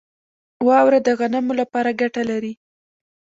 واوره د غنمو لپاره ګټه لري.